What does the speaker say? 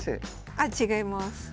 あ違います。